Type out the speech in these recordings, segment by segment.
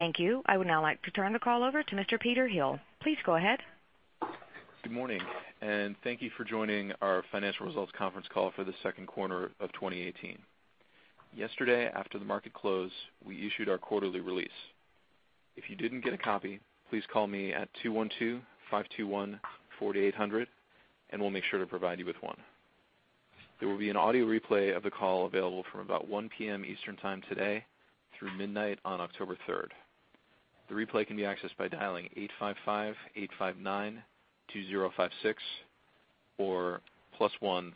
Thank you. I would now like to turn the call over to Mr. Peter Hill. Please go ahead. Good morning, and thank you for joining our financial results conference call for the second quarter of 2018. Yesterday, after the market closed, we issued our quarterly release. If you didn't get a copy, please call me at 212-521-4800, and we'll make sure to provide you with one. There will be an audio replay of the call available from about 1:00 P.M. Eastern time today through midnight on October 3rd. The replay can be accessed by dialing 855-859-2056 or +1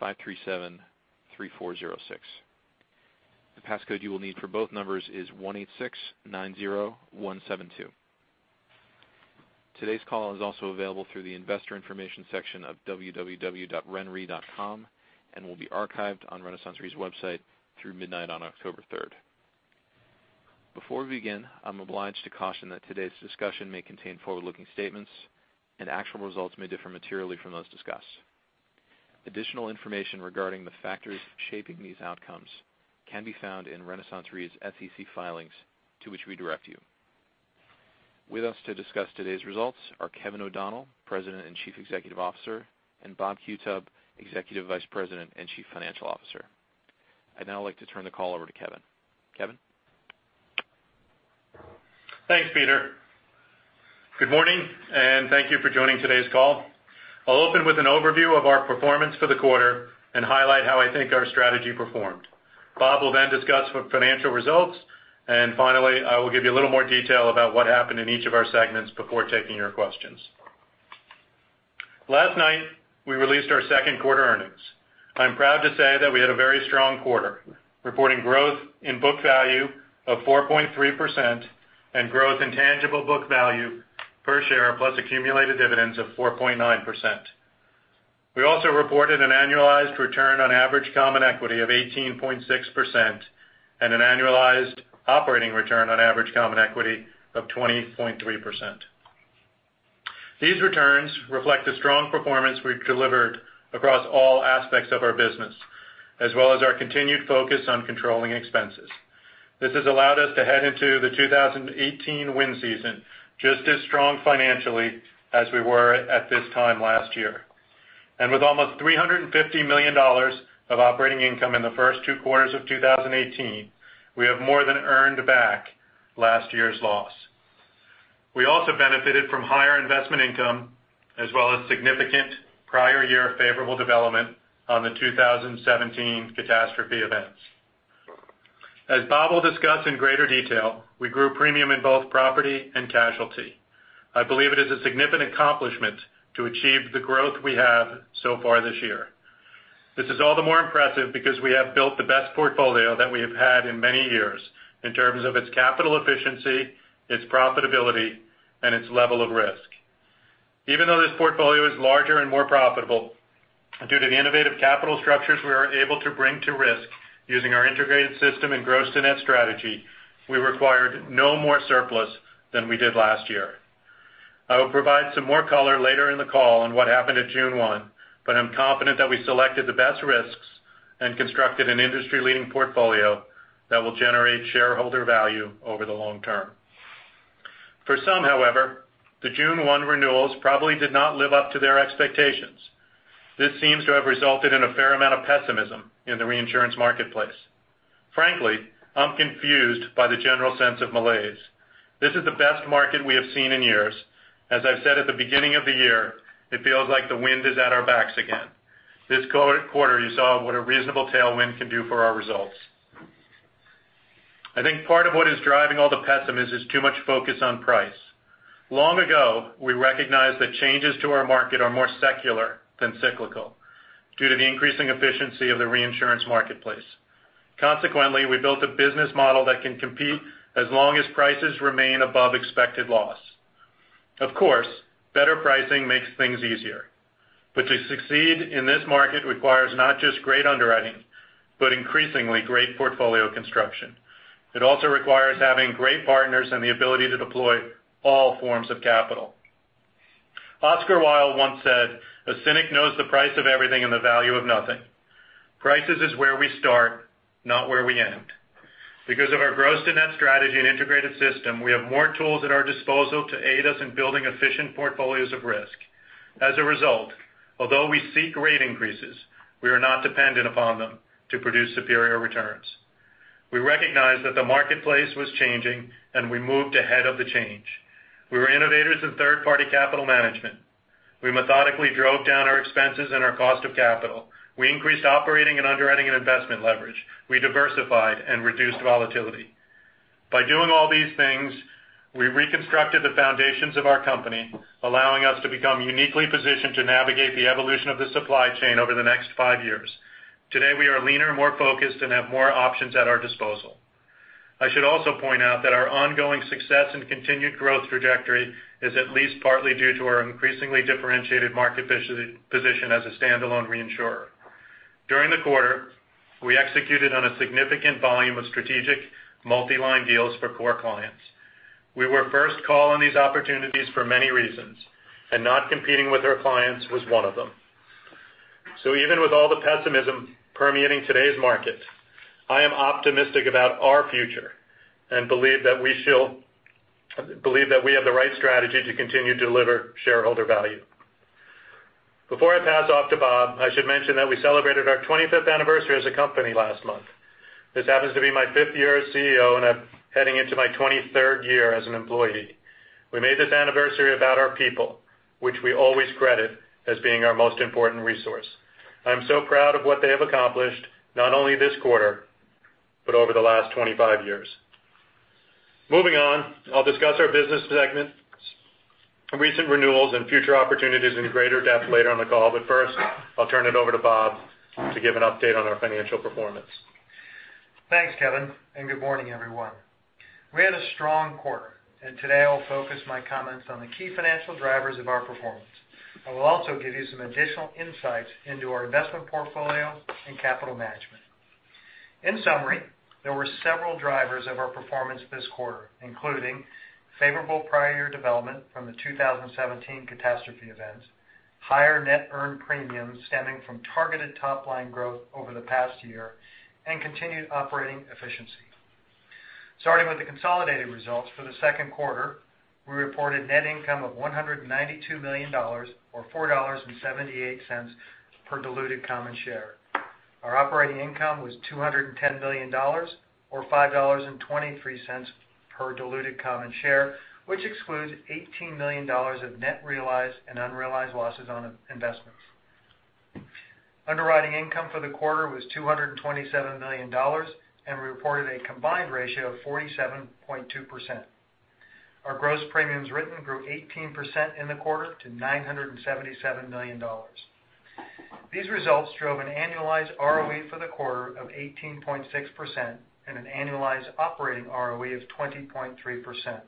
404-537-3406. The passcode you will need for both numbers is 18690172. Today's call is also available through the investor information section of www.renre.com and will be archived on RenaissanceRe's website through midnight on October 3rd. Before we begin, I'm obliged to caution that today's discussion may contain forward-looking statements and actual results may differ materially from those discussed. Additional information regarding the factors shaping these outcomes can be found in RenaissanceRe's SEC filings to which we direct you. With us to discuss today's results are Kevin O'Donnell, President and Chief Executive Officer, and Robert Qutub, Executive Vice President and Chief Financial Officer. I'd now like to turn the call over to Kevin. Kevin? Thanks, Peter. Good morning, and thank you for joining today's call. I'll open with an overview of our performance for the quarter and highlight how I think our strategy performed. Bob will then discuss financial results, and finally, I will give you a little more detail about what happened in each of our segments before taking your questions. Last night, we released our second quarter earnings. I'm proud to say that we had a very strong quarter, reporting growth in book value of 4.3% and growth in tangible book value per share, plus accumulated dividends of 4.9%. We also reported an annualized return on average common equity of 18.6% and an annualized operating return on average common equity of 20.3%. These returns reflect the strong performance we've delivered across all aspects of our business, as well as our continued focus on controlling expenses. This has allowed us to head into the 2018 wind season just as strong financially as we were at this time last year. With almost $350 million of operating income in the first two quarters of 2018, we have more than earned back last year's loss. We also benefited from higher investment income, as well as significant prior year favorable development on the 2017 catastrophe events. As Bob will discuss in greater detail, we grew premium in both property and casualty. I believe it is a significant accomplishment to achieve the growth we have so far this year. This is all the more impressive because we have built the best portfolio that we have had in many years in terms of its capital efficiency, its profitability, and its level of risk. Even though this portfolio is larger and more profitable, due to the innovative capital structures we are able to bring to risk using our integrated system and gross to net strategy, we required no more surplus than we did last year. I will provide some more color later in the call on what happened at June 1, but I'm confident that we selected the best risks and constructed an industry-leading portfolio that will generate shareholder value over the long term. For some, however, the June 1 renewals probably did not live up to their expectations. This seems to have resulted in a fair amount of pessimism in the reinsurance marketplace. Frankly, I'm confused by the general sense of malaise. This is the best market we have seen in years. As I've said at the beginning of the year, it feels like the wind is at our backs again. This quarter, you saw what a reasonable tailwind can do for our results. I think part of what is driving all the pessimism is too much focus on price. Long ago, we recognized that changes to our market are more secular than cyclical due to the increasing efficiency of the reinsurance marketplace. Consequently, we built a business model that can compete as long as prices remain above expected loss. Of course, better pricing makes things easier. To succeed in this market requires not just great underwriting, but increasingly great portfolio construction. It also requires having great partners and the ability to deploy all forms of capital. Oscar Wilde once said, "A cynic knows the price of everything and the value of nothing." Prices is where we start, not where we end. Because of our gross to net strategy and integrated system, we have more tools at our disposal to aid us in building efficient portfolios of risk. As a result, although we seek rate increases, we are not dependent upon them to produce superior returns. We recognized that the marketplace was changing, we moved ahead of the change. We were innovators in third-party capital management. We methodically drove down our expenses and our cost of capital. We increased operating and underwriting and investment leverage. We diversified and reduced volatility. By doing all these things, we reconstructed the foundations of our company, allowing us to become uniquely positioned to navigate the evolution of the supply chain over the next five years. Today, we are leaner, more focused, and have more options at our disposal. I should also point out that our ongoing success and continued growth trajectory is at least partly due to our increasingly differentiated market position as a standalone reinsurer. During the quarter, we executed on a significant volume of strategic multi-line deals for core clients. We were first call on these opportunities for many reasons, and not competing with our clients was one of them. Even with all the pessimism permeating today's market, I am optimistic about our future and believe that we have the right strategy to continue to deliver shareholder value. Before I pass off to Bob, I should mention that we celebrated our 25th anniversary as a company last month. This happens to be my fifth year as CEO, and I am heading into my 23rd year as an employee. We made this anniversary about our people, which we always credit as being our most important resource. I'm so proud of what they have accomplished, not only this quarter, but over the last 25 years. Moving on, I'll discuss our business segments, recent renewals, and future opportunities in greater depth later on the call. First, I'll turn it over to Bob to give an update on our financial performance. Thanks, Kevin, good morning, everyone. We had a strong quarter, and today I'll focus my comments on the key financial drivers of our performance. I will also give you some additional insights into our investment portfolio and capital management. In summary, there were several drivers of our performance this quarter, including favorable prior year development from the 2017 catastrophe events, higher net earned premiums stemming from targeted top-line growth over the past year, and continued operating efficiency. Starting with the consolidated results for the second quarter, we reported net income of $192 million, or $4.78 per diluted common share. Our operating income was $210 million, or $5.23 per diluted common share, which excludes $18 million of net realized and unrealized losses on investments. Underwriting income for the quarter was $227 million, and we reported a combined ratio of 47.2%. Our gross premiums written grew 18% in the quarter to $977 million. These results drove an annualized ROE for the quarter of 18.6% and an annualized operating ROE of 20.3%.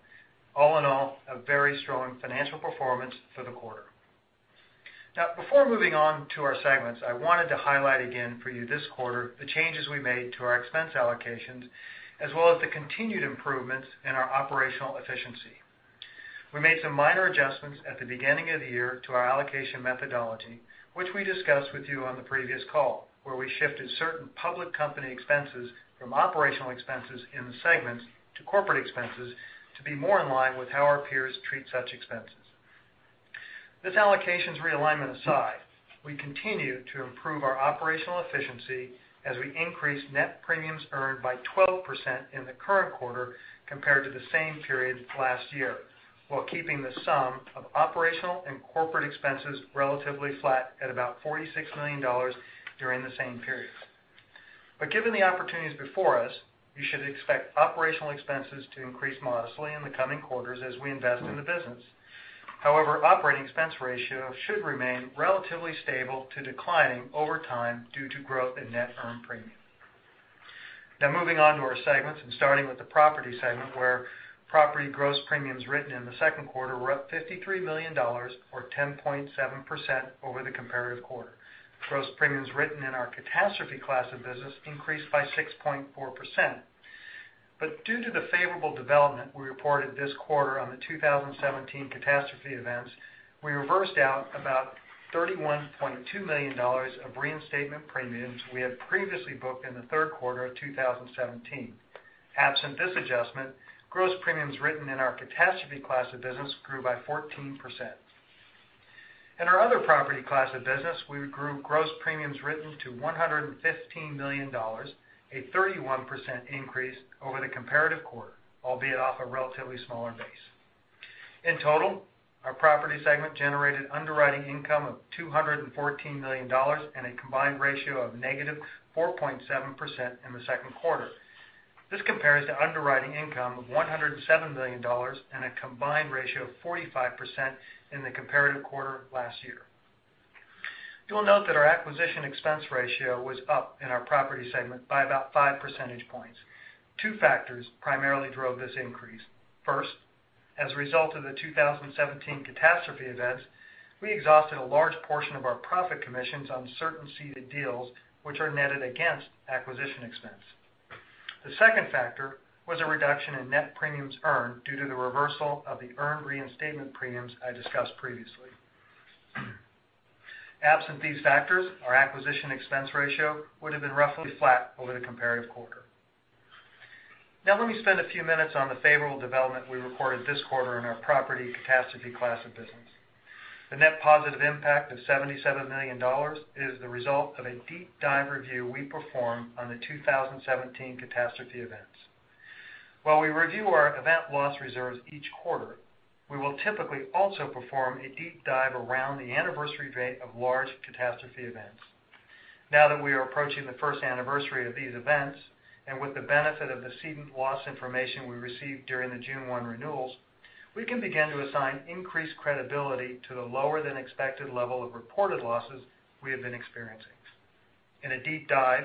All in all, a very strong financial performance for the quarter. Before moving on to our segments, I wanted to highlight again for you this quarter the changes we made to our expense allocations, as well as the continued improvements in our operational efficiency. We made some minor adjustments at the beginning of the year to our allocation methodology, which we discussed with you on the previous call, where we shifted certain public company expenses from operational expenses in the segments to corporate expenses to be more in line with how our peers treat such expenses. This allocation's realignment aside, we continue to improve our operational efficiency as we increase net premiums earned by 12% in the current quarter compared to the same period last year, while keeping the sum of operational and corporate expenses relatively flat at about $46 million during the same period. Given the opportunities before us, you should expect operational expenses to increase modestly in the coming quarters as we invest in the business. However, operating expense ratio should remain relatively stable to declining over time due to growth in net earned premium. Moving on to our segments and starting with the property segment, where property gross premiums written in the second quarter were up $53 million, or 10.7% over the comparative quarter. Gross premiums written in our catastrophe class of business increased by 6.4%. Due to the favorable development we reported this quarter on the 2017 catastrophe events, we reversed out about $31.2 million of reinstatement premiums we had previously booked in the third quarter of 2017. Absent this adjustment, gross premiums written in our catastrophe class of business grew by 14%. In our other property class of business, we grew gross premiums written to $115 million, a 31% increase over the comparative quarter, albeit off a relatively smaller base. In total, our property segment generated underwriting income of $214 million and a combined ratio of negative 4.7% in the second quarter. This compares to underwriting income of $107 million and a combined ratio of 45% in the comparative quarter last year. You will note that our acquisition expense ratio was up in our property segment by about five percentage points. Two factors primarily drove this increase. First, as a result of the 2017 catastrophe events, we exhausted a large portion of our profit commissions on certain ceded deals, which are netted against acquisition expense. The second factor was a reduction in net premiums earned due to the reversal of the earned reinstatement premiums I discussed previously. Absent these factors, our acquisition expense ratio would have been roughly flat over the comparative quarter. Let me spend a few minutes on the favorable development we reported this quarter in our property catastrophe class of business. The net positive impact of $77 million is the result of a deep dive review we performed on the 2017 catastrophe events. While we review our event loss reserves each quarter, we will typically also perform a deep dive around the anniversary date of large catastrophe events. That we are approaching the first anniversary of these events, and with the benefit of the ceding loss information we received during the June 1 renewals, we can begin to assign increased credibility to the lower than expected level of reported losses we have been experiencing. In a deep dive,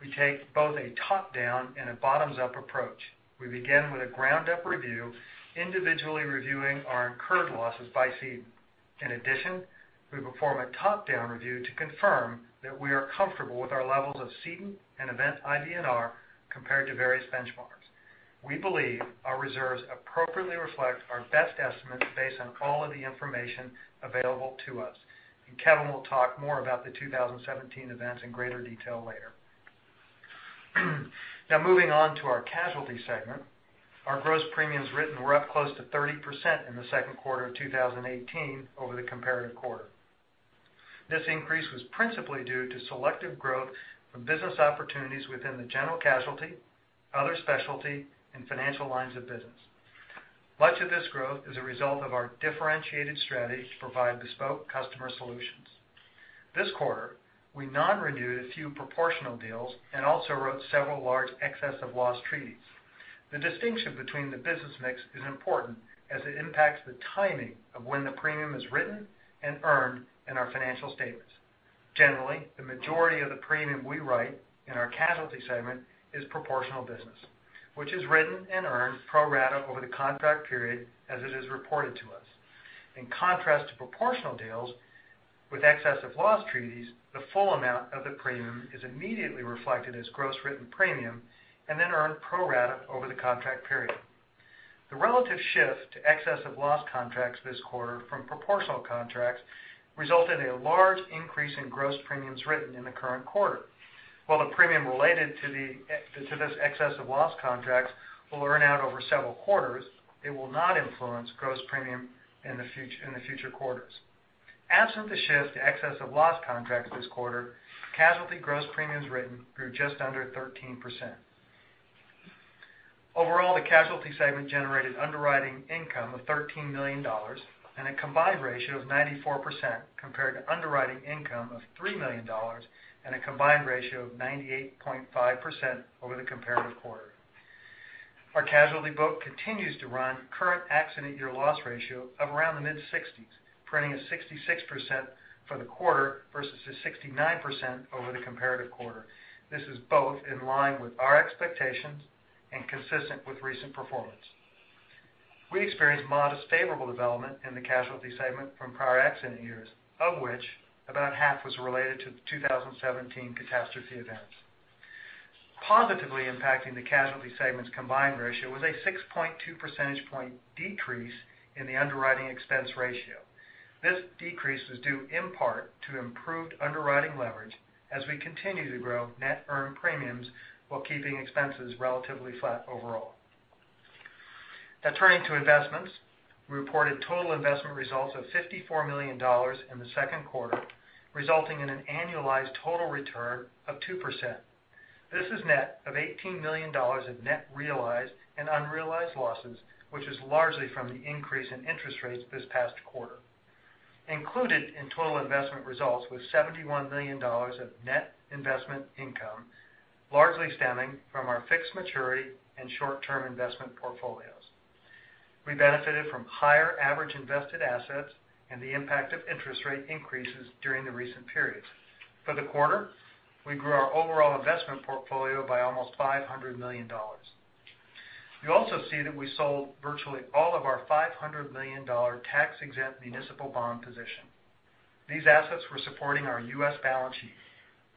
we take both a top-down and a bottoms-up approach. We begin with a ground-up review, individually reviewing our incurred losses by cede. In addition, we perform a top-down review to confirm that we are comfortable with our levels of ceding and event IBNR compared to various benchmarks. We believe our reserves appropriately reflect our best estimates based on all of the information available to us. Kevin will talk more about the 2017 events in greater detail later. Moving on to our casualty segment. Our gross premiums written were up close to 30% in the second quarter of 2018 over the comparative quarter. This increase was principally due to selective growth from business opportunities within the general casualty, other specialty, and financial lines of business. Much of this growth is a result of our differentiated strategy to provide bespoke customer solutions. This quarter, we non-renewed a few proportional deals and also wrote several large excess of loss treaties. The distinction between the business mix is important as it impacts the timing of when the premium is written and earned in our financial statements. Generally, the majority of the premium we write in our casualty segment is proportional business, which is written and earned pro rata over the contract period as it is reported to us. In contrast to proportional deals, with excess of loss treaties, the full amount of the premium is immediately reflected as gross written premium and then earned pro rata over the contract period. The relative shift to excess of loss contracts this quarter from proportional contracts resulted in a large increase in gross premiums written in the current quarter. While the premium related to this excess of loss contracts will earn out over several quarters, it will not influence gross premium in the future quarters. Absent the shift to excess of loss contracts this quarter, casualty gross premiums written grew just under 13%. Overall, the casualty segment generated underwriting income of $13 million and a combined ratio of 94%, compared to underwriting income of $3 million and a combined ratio of 98.5% over the comparative quarter. Our casualty book continues to run current accident year loss ratio of around the mid-60s, printing at 66% for the quarter versus the 69% over the comparative quarter. This is both in line with our expectations and consistent with recent performance. We experienced modest favorable development in the casualty segment from prior accident years, of which about half was related to the 2017 catastrophe events. Positively impacting the casualty segment's combined ratio was a 6.2 percentage point decrease in the underwriting expense ratio. This decrease was due in part to improved underwriting leverage as we continue to grow net earned premiums while keeping expenses relatively flat overall. Now turning to investments. We reported total investment results of $54 million in the second quarter, resulting in an annualized total return of 2%. This is net of $18 million of net realized and unrealized losses, which is largely from the increase in interest rates this past quarter. Included in total investment results was $71 million of net investment income, largely stemming from our fixed maturity and short-term investment portfolios. We benefited from higher average invested assets and the impact of interest rate increases during the recent periods. For the quarter, we grew our overall investment portfolio by almost $500 million. You also see that we sold virtually all of our $500 million tax-exempt municipal bond position. These assets were supporting our U.S. balance sheet.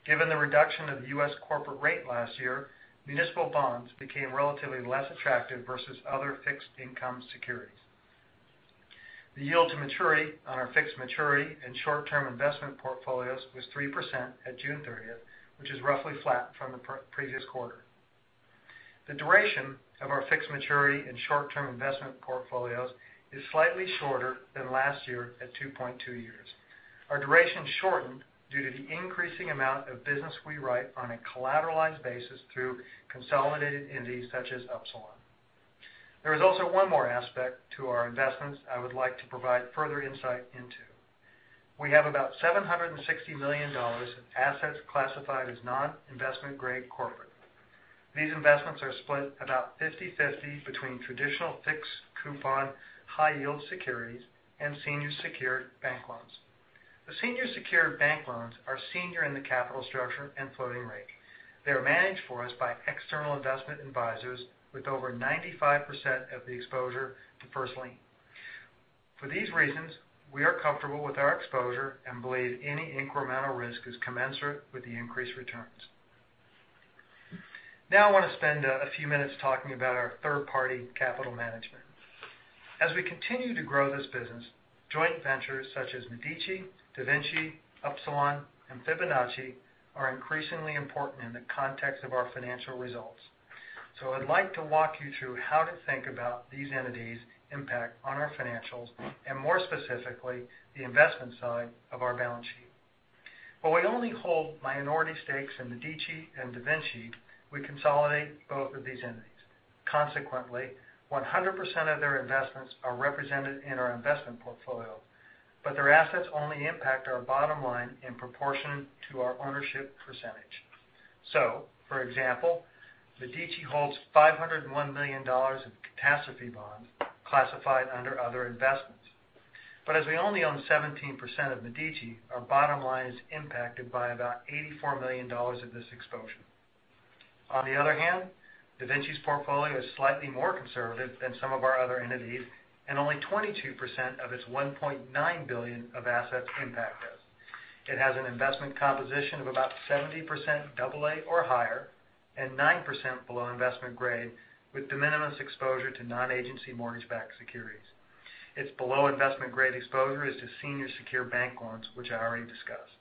Given the reduction of the U.S. corporate rate last year, municipal bonds became relatively less attractive versus other fixed income securities. The yield to maturity on our fixed maturity and short-term investment portfolios was 3% at June 30th, which is roughly flat from the previous quarter. The duration of our fixed maturity and short-term investment portfolios is slightly shorter than last year at 2.2 years. Our duration shortened due to the increasing amount of business we write on a collateralized basis through consolidated entities such as Upsilon. There is also one more aspect to our investments I would like to provide further insight into. We have about $760 million in assets classified as non-investment grade corporate. These investments are split about 50/50 between traditional fixed coupon high yield securities and senior secured bank loans. The senior secured bank loans are senior in the capital structure and floating rate. They're managed for us by external investment advisors with over 95% of the exposure to first lien. For these reasons, we are comfortable with our exposure and believe any incremental risk is commensurate with the increased returns. I want to spend a few minutes talking about our third-party capital management. As we continue to grow this business, joint ventures such as Medici, DaVinci, Upsilon, and Fibonacci are increasingly important in the context of our financial results. I'd like to walk you through how to think about these entities' impact on our financials, and more specifically, the investment side of our balance sheet. While we only hold minority stakes in Medici and DaVinci, we consolidate both of these entities. Consequently, 100% of their investments are represented in our investment portfolio, but their assets only impact our bottom line in proportion to our ownership percentage. For example, Medici holds $501 million of catastrophe bonds classified under other investments. As we only own 17% of Medici, our bottom line is impacted by about $84 million of this exposure. On the other hand, DaVinci's portfolio is slightly more conservative than some of our other entities, and only 22% of its $1.9 billion of assets impact us. It has an investment composition of about 70% AA or higher and 9% below investment grade, with de minimis exposure to non-agency mortgage-backed securities. It's below investment-grade exposure is to senior secured bank loans, which I already discussed.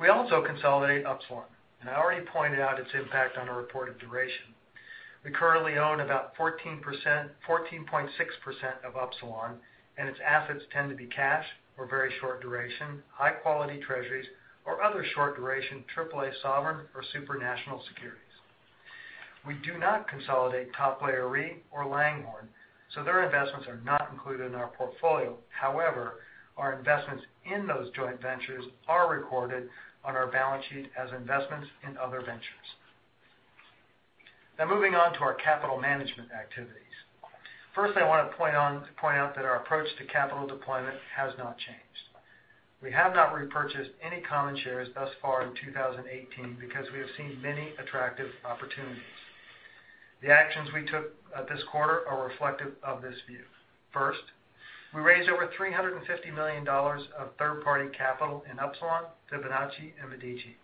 We also consolidate Upsilon, and I already pointed out its impact on our reported duration. We currently own about 14.6% of Upsilon, and its assets tend to be cash or very short duration, high-quality Treasuries, or other short-duration AAA sovereign or supranational securities. We do not consolidate Top Layer Re or Langhorne, their investments are not included in our portfolio. However, our investments in those joint ventures are recorded on our balance sheet as investments in other ventures. Moving on to our capital management activities. First, I want to point out that our approach to capital deployment has not changed. We have not repurchased any common shares thus far in 2018 because we have seen many attractive opportunities. The actions we took this quarter are reflective of this view. First, we raised over $350 million of third-party capital in Upsilon, Fibonacci, and Medici.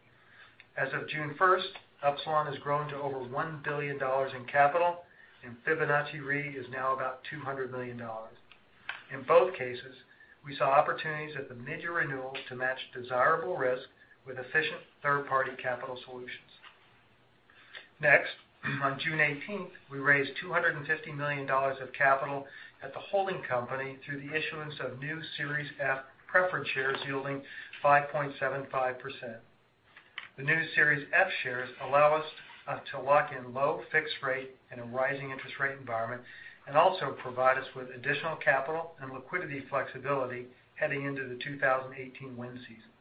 As of June 1st, Upsilon has grown to over $1 billion in capital, and Fibonacci Re is now about $200 million. In both cases, we saw opportunities at the midyear renewal to match desirable risk with efficient third-party capital solutions. Next, on June 18th, we raised $250 million of capital at the holding company through the issuance of new Series F preference shares yielding 5.75%. The new Series F shares allow us to lock in low fixed rate in a rising interest rate environment and also provide us with additional capital and liquidity flexibility heading into the 2018 wind season.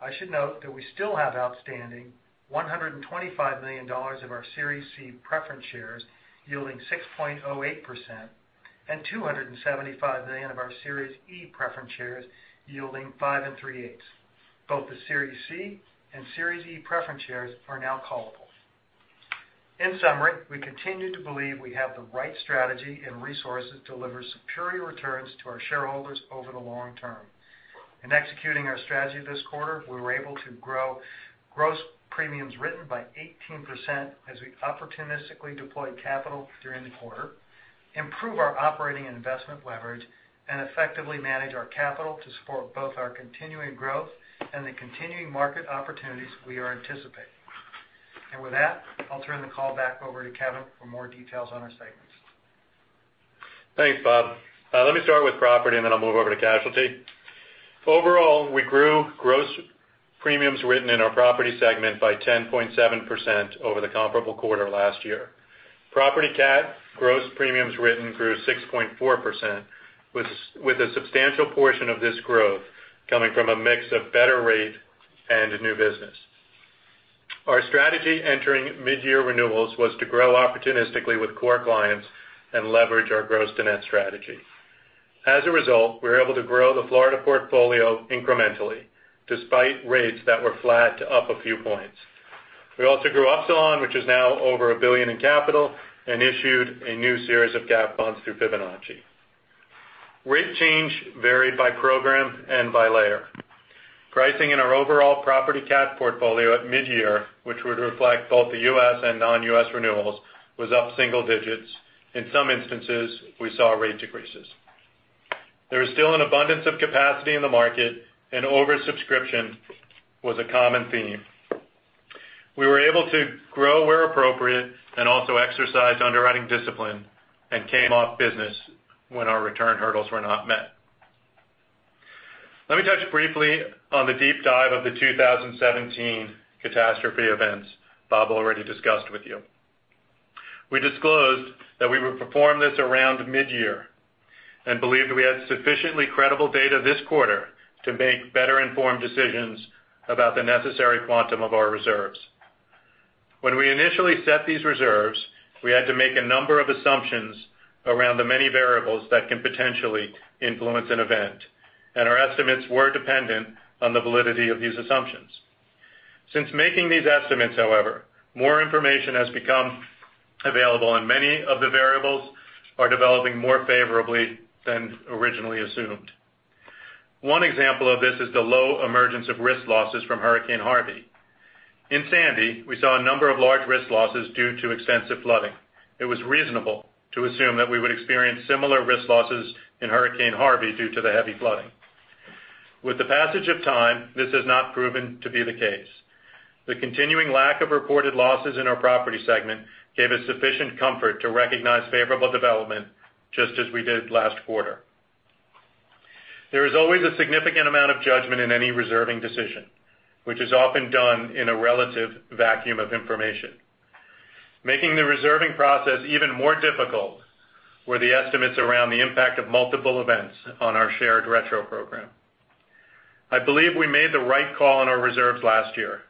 I should note that we still have outstanding $125 million of our Series C preference shares yielding 6.08% and $275 million of our Series E preference shares yielding 5 3/8%. Both the Series C and Series E preference shares are now callable. In summary, we continue to believe we have the right strategy and resources to deliver superior returns to our shareholders over the long term. In executing our strategy this quarter, we were able to grow gross premiums written by 18% as we opportunistically deployed capital during the quarter, improve our operating investment leverage, and effectively manage our capital to support both our continuing growth and the continuing market opportunities we are anticipating. With that, I'll turn the call back over to Kevin for more details on our statements. Thanks, Bob. Let me start with property, then I'll move over to casualty. Overall, we grew gross premiums written in our property segment by 10.7% over the comparable quarter last year. Property cat gross premiums written grew 6.4%, with a substantial portion of this growth coming from a mix of better rate and new business. Our strategy entering midyear renewals was to grow opportunistically with core clients and leverage our gross to net strategy. As a result, we were able to grow the Florida portfolio incrementally, despite rates that were flat to up a few points. We also grew Upsilon, which is now over $1 billion in capital, and issued a new series of cat bonds through Fibonacci. Rate change varied by program and by layer. Pricing in our overall property cat portfolio at midyear, which would reflect both the U.S. and non-U.S. renewals, was up single digits. In some instances, we saw rate decreases. There is still an abundance of capacity in the market, and oversubscription was a common theme. We were able to grow where appropriate and also exercise underwriting discipline and came off business when our return hurdles were not met. Let me touch briefly on the deep dive of the 2017 catastrophe events Bob already discussed with you. We disclosed that we would perform this around midyear and believed we had sufficiently credible data this quarter to make better-informed decisions about the necessary quantum of our reserves. When we initially set these reserves, we had to make a number of assumptions around the many variables that can potentially influence an event, and our estimates were dependent on the validity of these assumptions. Since making these estimates, however, more information has become available, and many of the variables are developing more favorably than originally assumed. One example of this is the low emergence of risk losses from Hurricane Harvey. In Hurricane Sandy, we saw a number of large risk losses due to extensive flooding. It was reasonable to assume that we would experience similar risk losses in Hurricane Harvey due to the heavy flooding. With the passage of time, this has not proven to be the case. The continuing lack of reported losses in our property segment gave us sufficient comfort to recognize favorable development, just as we did last quarter. There is always a significant amount of judgment in any reserving decision, which is often done in a relative vacuum of information. Making the reserving process even more difficult were the estimates around the impact of multiple events on our shared retro program. I believe we made the right call on our reserves last year.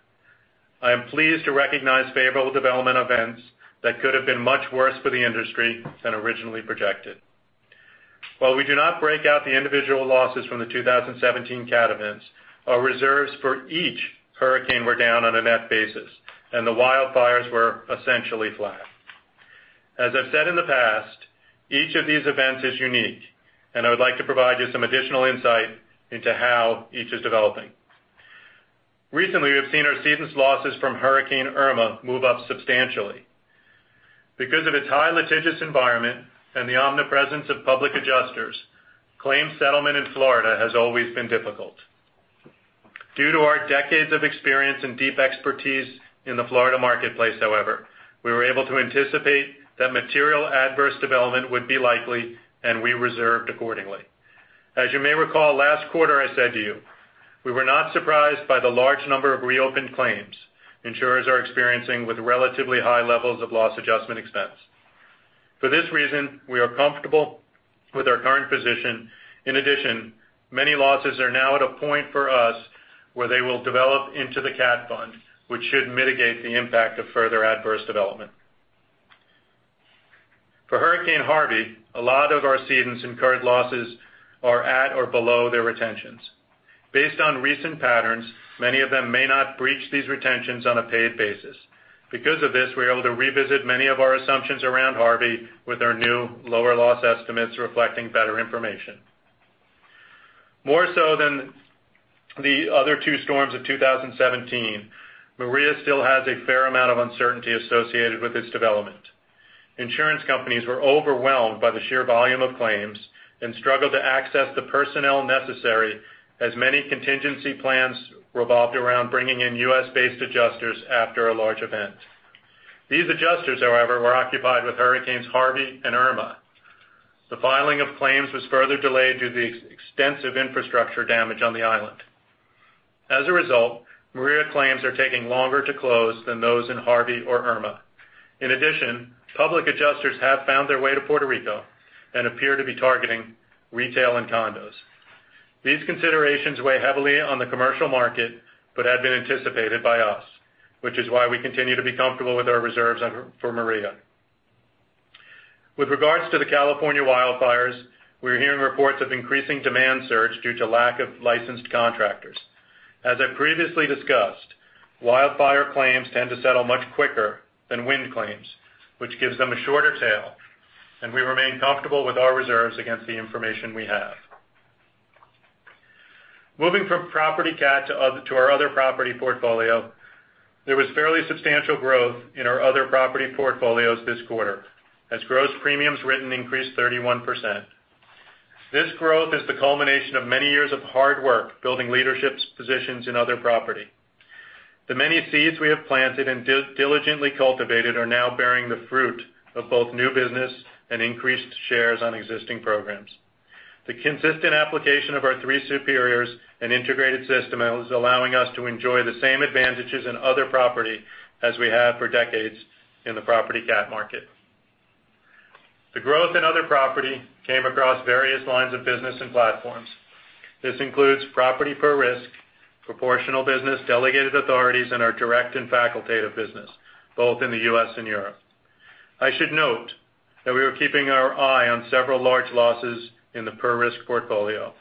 I am pleased to recognize favorable development events that could have been much worse for the industry than originally projected. While we do not break out the individual losses from the 2017 cat events, our reserves for each hurricane were down on a net basis, and the wildfires were essentially flat. As I've said in the past, each of these events is unique, and I would like to provide you some additional insight into how each is developing. Recently, we've seen our cedents' losses from Hurricane Irma move up substantially. Because of its high litigious environment and the omnipresence of public adjusters, claims settlement in Florida has always been difficult. Due to our decades of experience and deep expertise in the Florida marketplace, however, we were able to anticipate that material adverse development would be likely, and we reserved accordingly. As you may recall, last quarter, I said to you, we were not surprised by the large number of reopened claims insurers are experiencing with relatively high levels of loss adjustment expense. For this reason, we are comfortable with our current position. In addition, many losses are now at a point for us where they will develop into the Cat Fund, which should mitigate the impact of further adverse development. For Hurricane Harvey, a lot of our cedents' incurred losses are at or below their retentions. Based on recent patterns, many of them may not breach these retentions on a paid basis. Because of this, we're able to revisit many of our assumptions around Harvey with our new lower loss estimates reflecting better information. More so than the other two storms of 2017, Hurricane Maria still has a fair amount of uncertainty associated with its development. Insurance companies were overwhelmed by the sheer volume of claims and struggled to access the personnel necessary, as many contingency plans revolved around bringing in U.S.-based adjusters after a large event. These adjusters, however, were occupied with Hurricane Harvey and Hurricane Irma. The filing of claims was further delayed due to the extensive infrastructure damage on the island. As a result, Hurricane Maria claims are taking longer to close than those in Hurricane Harvey or Hurricane Irma. In addition, public adjusters have found their way to Puerto Rico and appear to be targeting retail and condos. These considerations weigh heavily on the commercial market, but had been anticipated by us, which is why we continue to be comfortable with our reserves for Hurricane Maria. With regards to the California wildfires, we're hearing reports of increasing demand surge due to lack of licensed contractors. As I previously discussed, wildfire claims tend to settle much quicker than wind claims, which gives them a shorter tail, and we remain comfortable with our reserves against the information we have. Moving from property cat to our other property portfolio, there was fairly substantial growth in our other property portfolios this quarter, as gross premiums written increased 31%. This growth is the culmination of many years of hard work building leadership positions in other property. The many seeds we have planted and diligently cultivated are now bearing the fruit of both new business and increased shares on existing programs. The consistent application of our three superiors and integrated system is allowing us to enjoy the same advantages in other property as we have for decades in the property cat market. The growth in other property came across various lines of business and platforms. This includes property per risk, proportional business, delegated authorities, and our direct and facultative business, both in the U.S. and Europe. I should note that we are keeping our eye on several large losses in the per risk portfolio.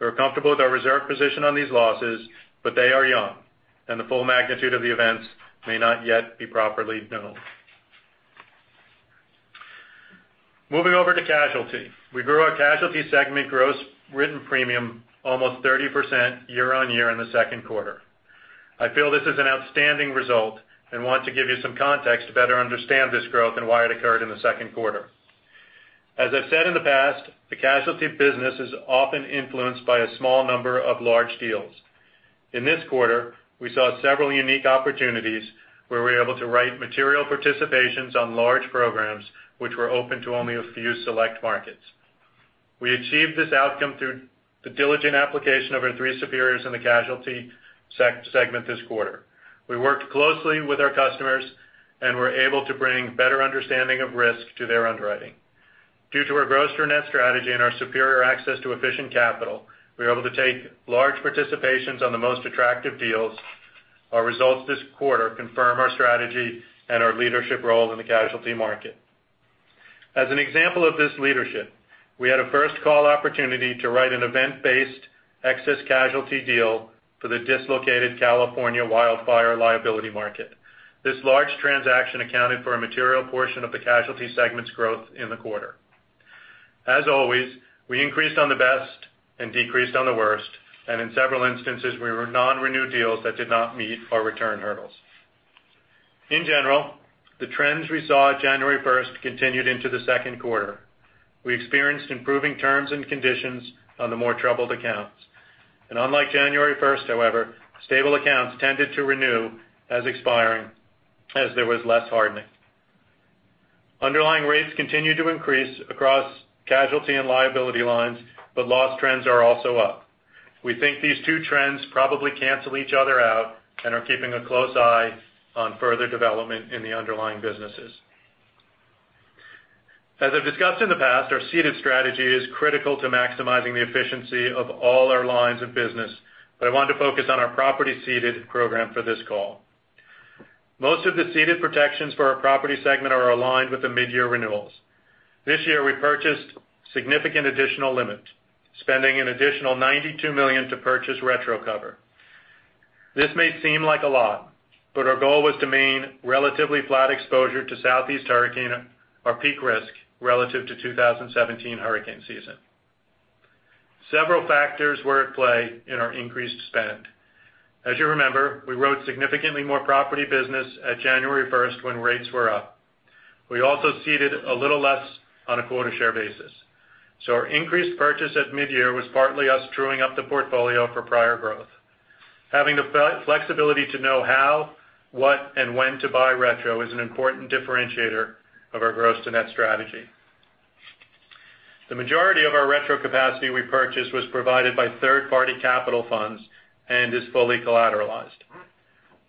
We are comfortable with our reserve position on these losses, but they are young, and the full magnitude of the events may not yet be properly known. Moving over to casualty. We grew our casualty segment gross written premium almost 30% year-on-year in the second quarter. I feel this is an outstanding result and want to give you some context to better understand this growth and why it occurred in the second quarter. As I've said in the past, the casualty business is often influenced by a small number of large deals. In this quarter, we saw several unique opportunities where we were able to write material participations on large programs, which were open to only a few select markets. We achieved this outcome through the diligent application of our three superiors in the casualty segment this quarter. We worked closely with our customers and were able to bring better understanding of risk to their underwriting. Due to our gross to net strategy and our superior access to efficient capital, we were able to take large participations on the most attractive deals. Our results this quarter confirm our strategy and our leadership role in the casualty market. As an example of this leadership, we had a first call opportunity to write an event-based excess casualty deal for the dislocated California wildfire liability market. This large transaction accounted for a material portion of the casualty segment's growth in the quarter. As always, we increased on the best and decreased on the worst, and in several instances, we were non-renewed deals that did not meet our return hurdles. In general, the trends we saw January 1st continued into the second quarter. We experienced improving terms and conditions on the more troubled accounts. Unlike January 1st, however, stable accounts tended to renew as expiring as there was less hardening. Underlying rates continued to increase across casualty and liability lines, but loss trends are also up. We think these two trends probably cancel each other out and are keeping a close eye on further development in the underlying businesses. As I've discussed in the past, our ceded strategy is critical to maximizing the efficiency of all our lines of business, but I want to focus on our property ceded program for this call. Most of the ceded protections for our property segment are aligned with the mid-year renewals. This year, we purchased significant additional limit, spending an additional $92 million to purchase retro cover. This may seem like a lot, but our goal was to maintain relatively flat exposure to Southeast hurricane our peak risk relative to 2017 hurricane season. Several factors were at play in our increased spend. As you remember, we wrote significantly more property business at January 1st, when rates were up. We also ceded a little less on a quota share basis. Our increased purchase at mid-year was partly us truing up the portfolio for prior growth. Having the flexibility to know how, what, and when to buy retro is an important differentiator of our gross-to-net strategy. The majority of our retro capacity we purchased was provided by third-party capital funds and is fully collateralized.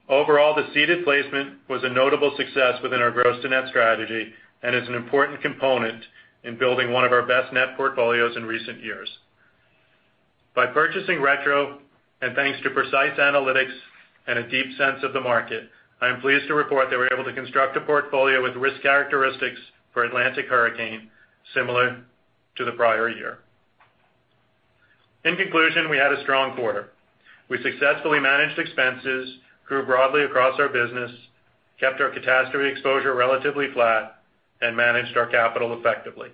Overall, the ceded placement was a notable success within our gross-to-net strategy and is an important component in building one of our best net portfolios in recent years. By purchasing retro, and thanks to precise analytics and a deep sense of the market, I am pleased to report that we were able to construct a portfolio with risk characteristics for Atlantic hurricane similar to the prior year. In conclusion, we had a strong quarter. We successfully managed expenses, grew broadly across our business, kept our catastrophe exposure relatively flat, and managed our capital effectively.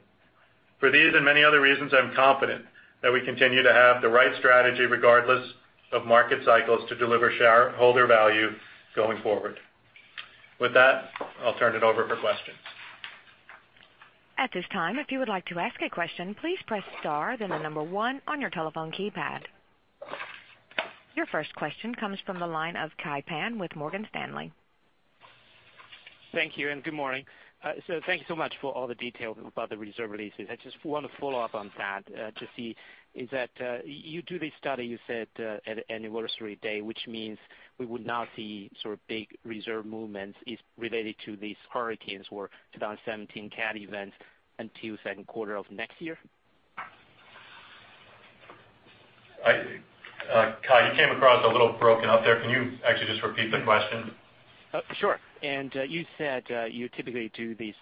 For these and many other reasons, I'm confident that we continue to have the right strategy, regardless of market cycles, to deliver shareholder value going forward. With that, I'll turn it over for questions. At this time, if you would like to ask a question, please press star, then the number 1 on your telephone keypad. Your first question comes from the line of Kai Pan with Morgan Stanley. Thank you, and good morning. Thank you so much for all the details about the reserve releases. I just want to follow up on that to see, is that you do this study, you said, at anniversary day, which means we would not see big reserve movements related to these hurricanes or 2017 cat events until second quarter of next year? Kai, you came across a little broken up there. Can you actually just repeat the question? Sure. You said you typically do these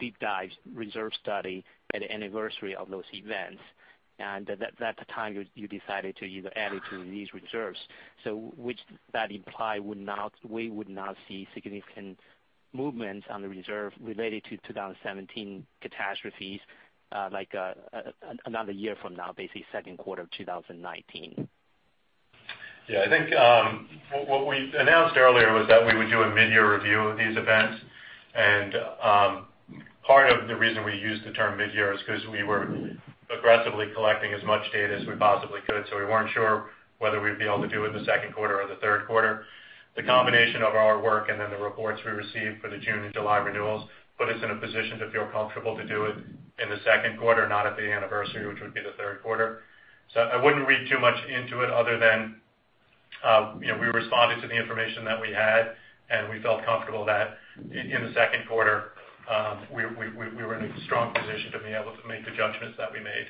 deep dive reserve study at anniversary of those events, and at that time you decided to either add it to these reserves. Which that imply we would not see significant movements on the reserve related to 2017 catastrophes another year from now, basically second quarter of 2019? Yeah. I think what we announced earlier was that we would do a mid-year review of these events, and part of the reason we used the term mid-year is because we were aggressively collecting as much data as we possibly could. We weren't sure whether we'd be able to do it the second quarter or the third quarter. The combination of our work the reports we received for the June and July renewals put us in a position to feel comfortable to do it in the second quarter, not at the anniversary, which would be the third quarter. I wouldn't read too much into it other than we responded to the information that we had, and we felt comfortable that in the second quarter, we were in a strong position to be able to make the judgments that we made.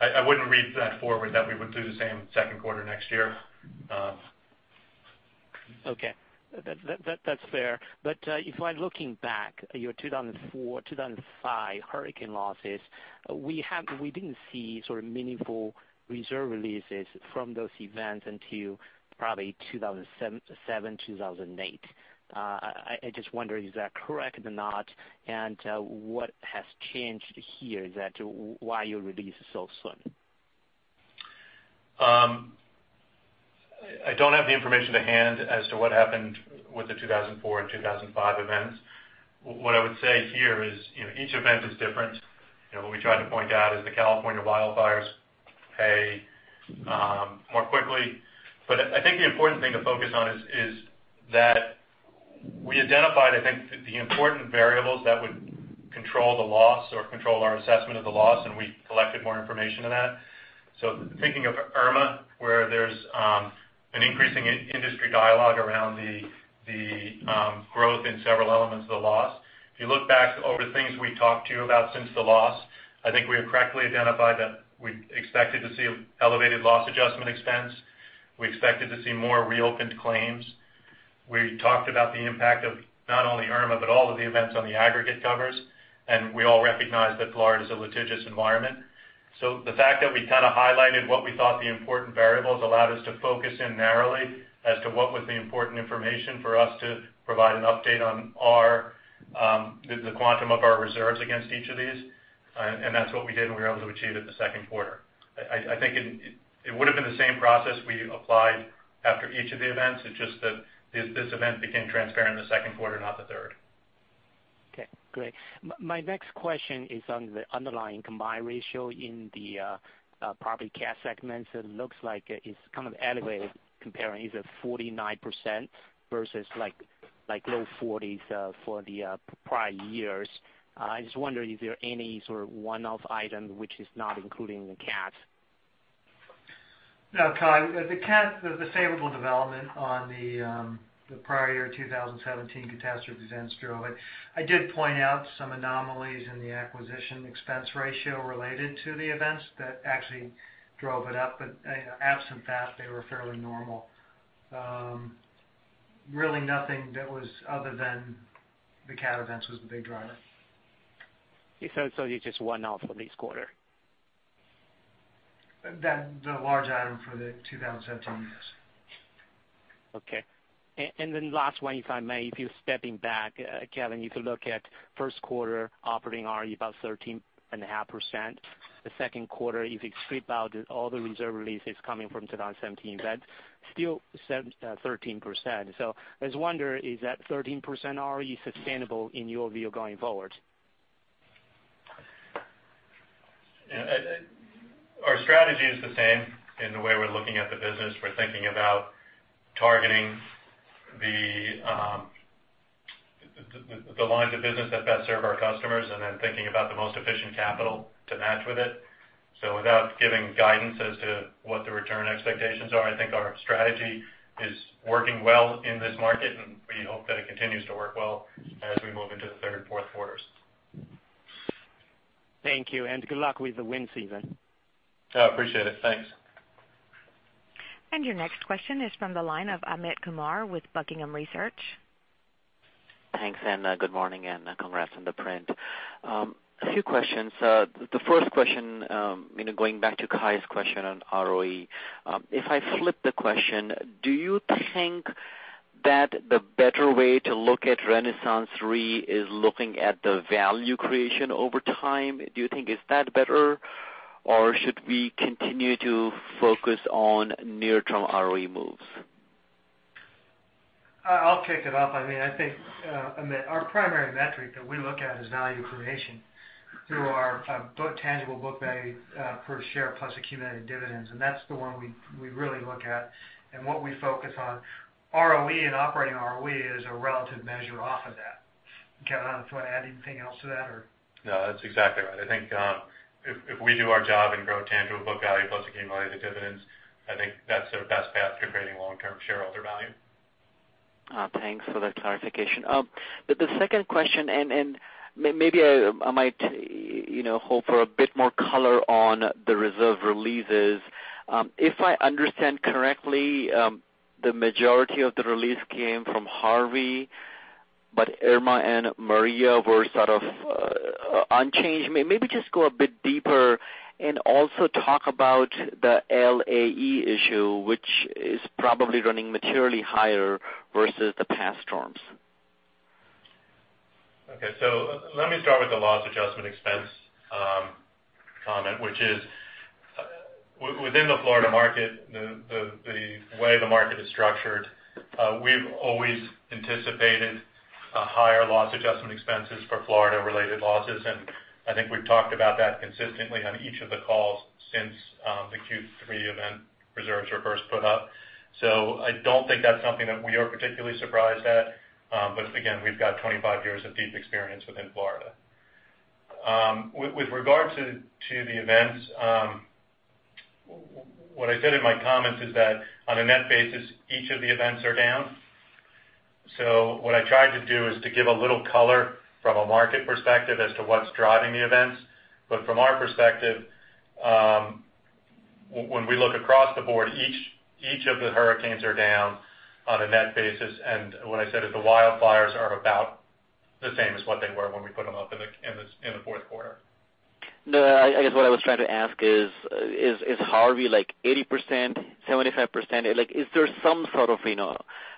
I wouldn't read that forward that we would do the same second quarter next year. If I'm looking back at your 2004, 2005 hurricane losses, we didn't see sort of meaningful reserve releases from those events until probably 2007, 2008. I just wonder, is that correct or not, and what has changed here that why you release so soon? I don't have the information to hand as to what happened with the 2004 and 2005 events. What I would say here is each event is different. What we tried to point out is the California wildfires pay more quickly. I think the important thing to focus on is that we identified, I think, the important variables that would control the loss or control our assessment of the loss, and we collected more information on that. Thinking of Irma, where there's an increasing industry dialogue around the growth in several elements of the loss. If you look back over things we talked to you about since the loss, I think we have correctly identified that we expected to see elevated loss adjustment expense. We expected to see more reopened claims. We talked about the impact of not only Irma, but all of the events on the aggregate covers, and we all recognize that Florida is a litigious environment. The fact that we kind of highlighted what we thought the important variables allowed us to focus in narrowly as to what was the important information for us to provide an update on the quantum of our reserves against each of these, and that's what we did, and we were able to achieve it the second quarter. I think it would have been the same process we applied after each of the events. It's just that this event became transparent the second quarter, not the third. My next question is on the underlying combined ratio in the property cat segments. It looks like it's kind of elevated comparing these at 49% versus low 40s for the prior years. I just wonder if there are any sort of one-off item which is not including the cat. No, Kai. The cat, the favorable development on the prior year 2017 catastrophe events drove it. I did point out some anomalies in the acquisition expense ratio related to the events that actually drove it up. Absent that, they were fairly normal. Really nothing that was other than the cat events was the big driver. It's just one-off for this quarter. The large item for the 2017 years. Okay. Last one, if I may. If you're stepping back, Kevin, if you look at first quarter operating RE, about 13.5%. The second quarter, if you strip out all the reserve releases coming from 2017, that's still 13%. I just wonder, is that 13% RE sustainable in your view, going forward? Our strategy is the same in the way we're looking at the business. We're thinking about targeting the lines of business that best serve our customers and then thinking about the most efficient capital to match with it. Without giving guidance as to what the return expectations are, I think our strategy is working well in this market, and we hope that it continues to work well as we move into the third and fourth quarters. Thank you. Good luck with the wind season. I appreciate it. Thanks. Your next question is from the line of Amit Kumar with Buckingham Research. Thanks, good morning, and congrats on the print. A few questions. The first question, going back to Kai's question on ROE. If I flip the question, do you think that the better way to look at RenaissanceRe is looking at the value creation over time? Do you think, is that better, or should we continue to focus on near-term ROE moves? I'll kick it off. I think, Amit, our primary metric that we look at is value creation through our tangible book value per share plus accumulated dividends. That's the one we really look at and what we focus on. ROE and operating ROE is a relative measure off of that. Kevin, do you want to add anything else to that, or? No, that's exactly right. I think if we do our job and grow tangible book value plus accumulated dividends, I think that's the best path to creating long-term shareholder value. Thanks for the clarification. The second question, maybe I might hope for a bit more color on the reserve releases. If I understand correctly, the majority of the release came from Harvey, but Irma and Maria were sort of unchanged. Maybe just go a bit deeper and also talk about the LAE issue, which is probably running materially higher versus the past storms. Let me start with the loss adjustment expense comment, which is within the Florida market, the way the market is structured, we've always anticipated higher loss adjustment expenses for Florida-related losses, and I think we've talked about that consistently on each of the calls since the Q3 event reserves were first put up. I don't think that's something that we are particularly surprised at. Again, we've got 25 years of deep experience within Florida. With regard to the events, what I said in my comments is that on a net basis, each of the events are down. What I tried to do is to give a little color from a market perspective as to what's driving the events. From our perspective, when we look across the board, each of the hurricanes are down on a net basis. What I said is the wildfires are about the same as what they were when we put them up in the fourth quarter. No, I guess what I was trying to ask is Harvey like 80%, 75%? Is there some sort of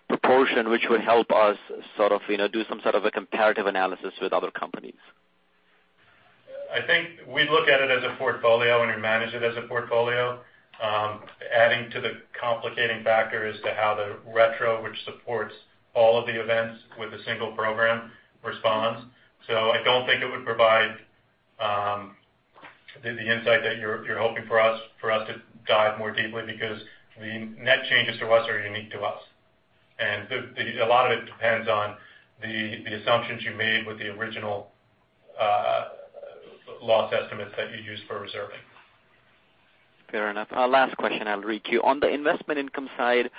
proportion which would help us do some sort of a comparative analysis with other companies? I think we look at it as a portfolio and we manage it as a portfolio. Adding to the complicating factor as to how the retro, which supports all of the events with a single program, responds. I don't think it would provide the insight that you're hoping for us to dive more deeply because the net changes to us are unique to us. A lot of it depends on the assumptions you made with the original loss estimates that you used for reserving. Fair enough. Last question I'll read you. On the investment income side,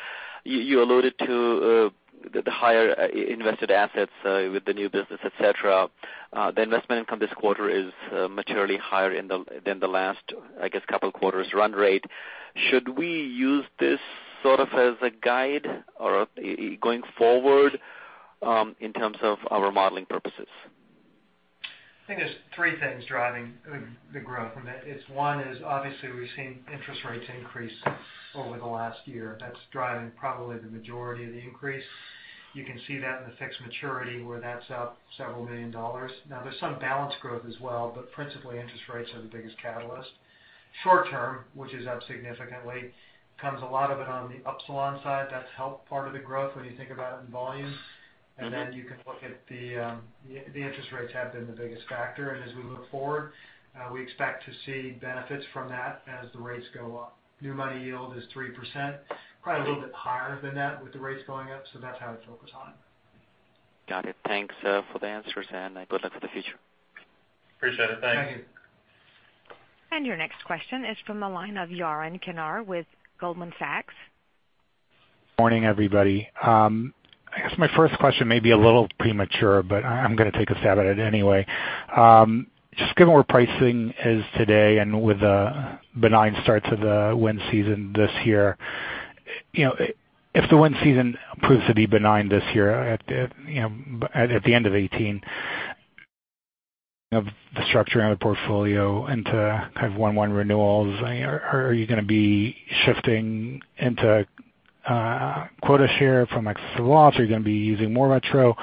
you alluded to the higher invested assets with the new business, et cetera. The investment income this quarter is materially higher than the last, I guess, couple of quarters run rate. Should we use this sort of as a guide going forward in terms of our modeling purposes? I think there's three things driving the growth. One is obviously we've seen interest rates increase over the last year. That's driving probably the majority of the increase. You can see that in the fixed maturity where that's up several million dollars. There's some balance growth as well, but principally interest rates are the biggest catalyst. Short-term, which is up significantly, comes a lot of it on the Upsilon side. That's helped part of the growth when you think about it in volume. You can look at the interest rates have been the biggest factor. As we look forward, we expect to see benefits from that as the rates go up. New money yield is 3%, probably a little bit higher than that with the rates going up. That's how I'd focus on it. Got it. Thanks for the answers, and good luck for the future. Appreciate it. Thanks. Thank you. Your next question is from the line of Yaron Kinar with Goldman Sachs. Morning, everybody. I guess my first question may be a little premature, but I'm going to take a stab at it anyway. Just given where pricing is today and with the benign starts of the wind season this year. If the wind season proves to be benign this year at the end of 2018, of the structure and the portfolio into 1/1 renewals, are you going to be shifting into quota share from excess loss? Are you going to be using more retro?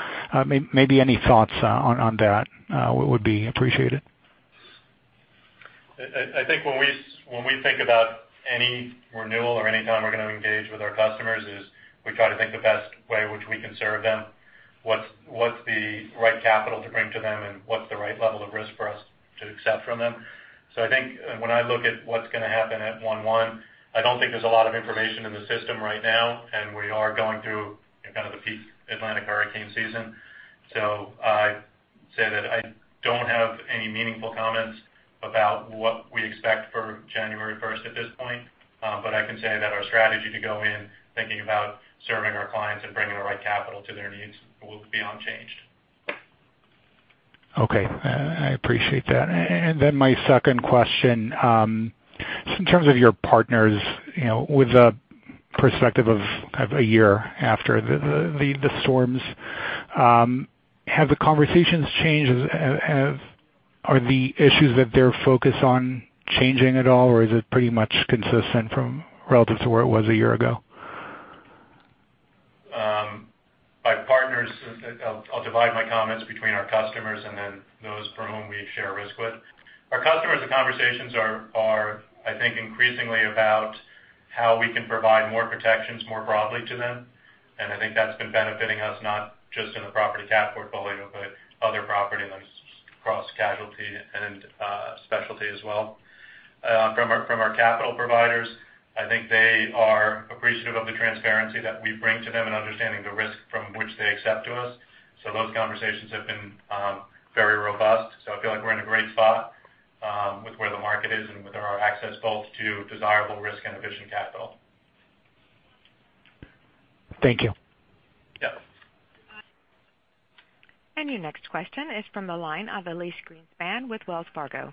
Maybe any thoughts on that would be appreciated. I think when we think about any renewal or any time we're going to engage with our customers is we try to think the best way which we can serve them, what's the right capital to bring to them, and what's the right level of risk for us to accept from them. I think when I look at what's going to happen at one-one, I don't think there's a lot of information in the system right now, and we are going through kind of the peak Atlantic hurricane season. I say that I don't have any meaningful comments about what we expect for January 1st at this point. I can say that our strategy to go in thinking about serving our clients and bringing the right capital to their needs will be unchanged. Okay. I appreciate that. My second question, in terms of your partners, with the perspective of a year after the storms, have the conversations changed? Are the issues that they're focused on changing at all, or is it pretty much consistent from relative to where it was a year ago? My partners, I'll divide my comments between our customers and then those for whom we share risk with. Our customers, the conversations are, I think, increasingly about how we can provide more protections more broadly to them. I think that's been benefiting us not just in the property cat portfolio, but other property lines across casualty and specialty as well. From our capital providers, I think they are appreciative of the transparency that we bring to them and understanding the risk from which they accept to us. Those conversations have been very robust. I feel like we're in a great spot with where the market is and with our access both to desirable risk and efficient capital. Thank you. Yeah. Your next question is from the line of Elyse Greenspan with Wells Fargo.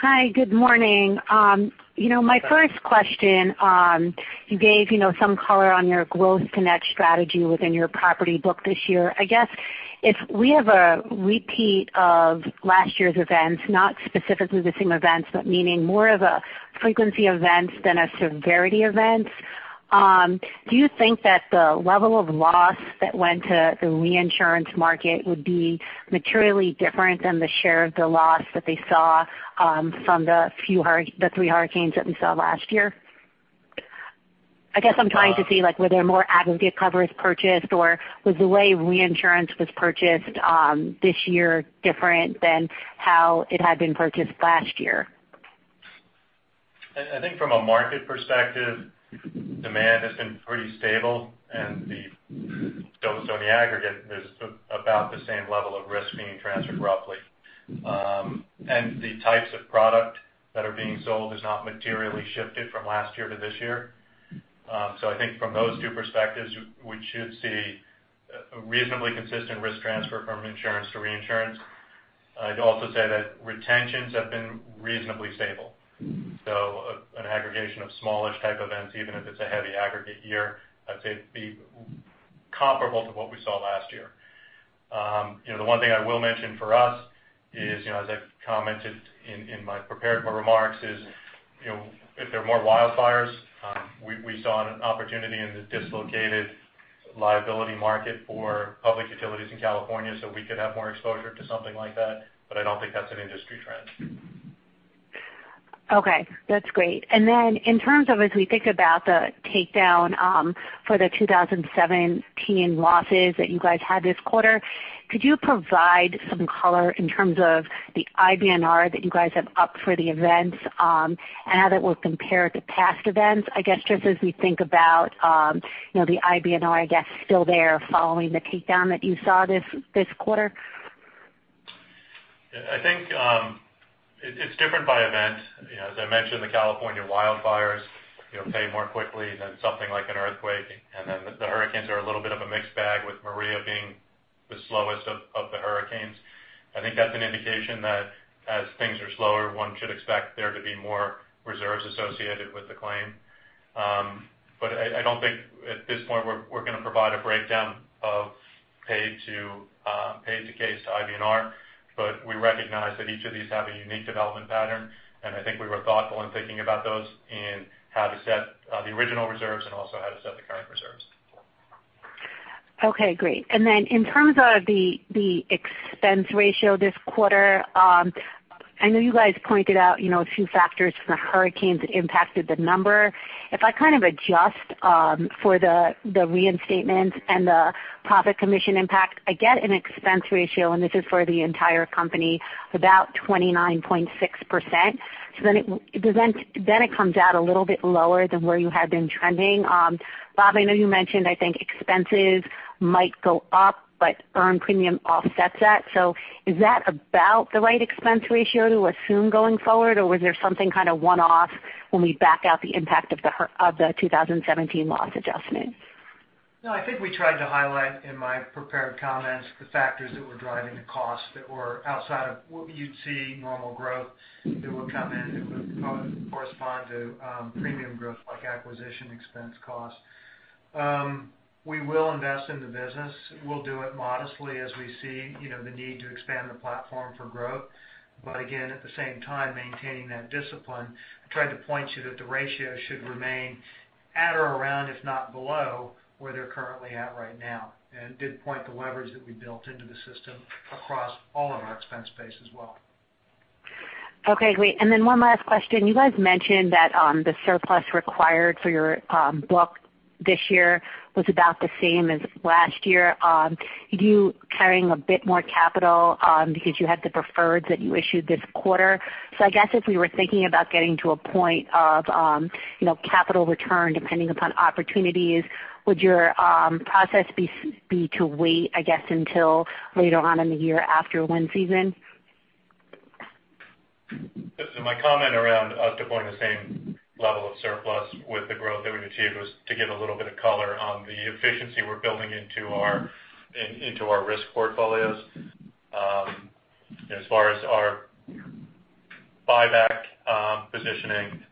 Hi, good morning. Hi. My first question, you gave some color on your gross to net strategy within your property book this year. I guess if we have a repeat of last year's events, not specifically the same events, but meaning more of a frequency event than a severity event, do you think that the level of loss that went to the reinsurance market would be materially different than the share of the loss that they saw from the 3 hurricanes that we saw last year? I guess I'm trying to see, like, were there more aggregate covers purchased, or was the way reinsurance was purchased this year different than how it had been purchased last year? I think from a market perspective, demand has been pretty stable in the aggregate is about the same level of risk being transferred roughly. The types of product that are being sold is not materially shifted from last year to this year. I think from those two perspectives, we should see a reasonably consistent risk transfer from insurance to reinsurance. I'd also say that retentions have been reasonably stable. An aggregation of smallish type events, even if it's a heavy aggregate year, I'd say it'd be comparable to what we saw last year. The one thing I will mention for us is, as I commented in my prepared remarks is, if there are more wildfires, we saw an opportunity in the dislocated liability market for public utilities in California, so we could have more exposure to something like that. I don't think that's an industry trend. Okay, that's great. In terms of as we think about the takedown for the 2017 losses that you guys had this quarter, could you provide some color in terms of the IBNR that you guys have up for the events and how that will compare to past events? I guess, just as we think about the IBNR, I guess, still there following the takedown that you saw this quarter. I think it's different by event. As I mentioned, the California wildfires pay more quickly than something like an earthquake. The hurricanes are a little bit of a mixed bag with Maria being the slowest of the hurricanes. I think that's an indication that as things are slower, one should expect there to be more reserves associated with the claim. I don't think at this point we're going to provide a breakdown of paid to case to IBNR, but we recognize that each of these have a unique development pattern, and I think we were thoughtful in thinking about those and how to set the original reserves and also how to set the current reserves. Okay, great. In terms of the expense ratio this quarter, I know you guys pointed out a few factors from the hurricanes that impacted the number. If I kind of adjust for the reinstatements and the profit commission impact, I get an expense ratio, and this is for the entire company, about 29.6%. It comes out a little bit lower than where you had been trending. Bob, I know you mentioned, I think expenses might go up, but earned premium offsets that. Is that about the right expense ratio to assume going forward, or was there something kind of one-off when we back out the impact of the 2017 loss adjustment? No, I think we tried to highlight in my prepared comments the factors that were driving the costs that were outside of what you'd see normal growth that would come in, that would correspond to premium growth like acquisition expense costs. We will invest in the business. We'll do it modestly as we see the need to expand the platform for growth. Again, at the same time, maintaining that discipline. I tried to point to you that the ratio should remain at or around, if not below, where they're currently at right now, and did point the leverage that we built into the system across all of our expense base as well. Okay, great. Then one last question. You guys mentioned that the surplus required for your book this year was about the same as last year. Are you carrying a bit more capital because you had the preferreds that you issued this quarter? I guess if we were thinking about getting to a point of capital return, depending upon opportunities, would your process be to wait, I guess, until later on in the year after wind season? My comment around us deploying the same level of surplus with the growth that we achieved was to give a little bit of color on the efficiency we're building into our risk portfolios. As far as our buyback positioning,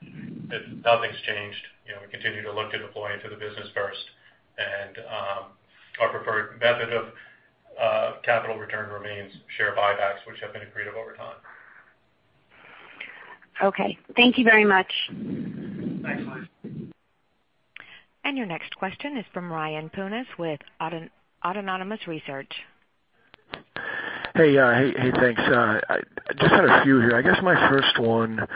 nothing's changed. We continue to look at deploying to the business first, and our preferred method of capital return remains share buybacks, which have been accretive over time. Okay. Thank you very much. Thanks, Elyse. Your next question is from Ryan Punas with Autonomous Research. Hey, thanks. I just had a few here. I guess my first one,